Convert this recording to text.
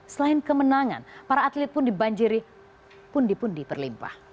selain kemenangan para atlet pun dibanjiri pundi pundi terlimpah